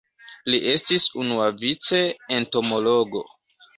Li estis unuavice entomologo.